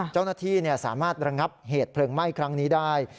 เจ้าหน้าที่สามารถระงับเหตุเพลิงไหม้ครั้งนี้ได้